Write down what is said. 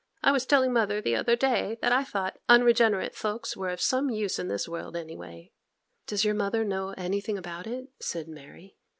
I was telling mother the other day that I thought unregenerate folks were of some use in this world any way.' 'Does your mother know anything about it?' said Mary.